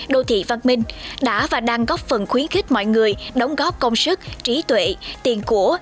đô thị văn minh đã và đang góp phần khuyến khích mọi người đóng góp công sức trí tuệ tiền của